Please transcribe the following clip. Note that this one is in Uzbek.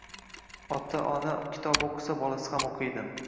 Ota-ona kitob o‘qisa, bolasi ham o‘qiydi.